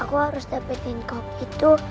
aku harus dapetin kok gitu